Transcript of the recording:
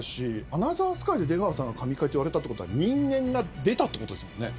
『アナザースカイ』で出川さんが神回っていわれたってことは人間が出たってことですもんね？